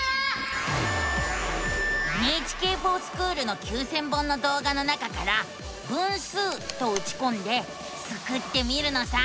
「ＮＨＫｆｏｒＳｃｈｏｏｌ」の９，０００本の動画の中から「分数」とうちこんでスクってみるのさ！